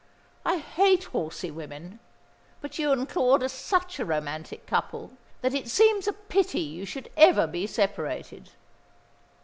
I hate horsey women; but you and Claude are such a romantic couple, that it seems a pity you should ever be separated."